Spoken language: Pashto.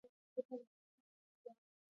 تاریخ د زمانې سفر دی.